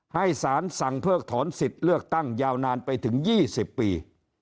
ให้สารสั่งเพิกถอนสิทธิ์เลือกตั้งยาวนานไปถึง๒๐ปี